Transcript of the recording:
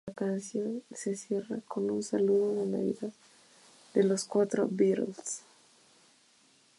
La canción se cierra con un saludo de Navidad de los cuatro Beatles.